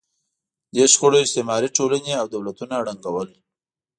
دې شخړو استعماري ټولنې او دولتونه ړنګول.